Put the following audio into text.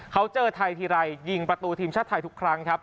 เขาเจอไทยทีไรยิงประตูทีมชาติไทยทุกครั้งครับ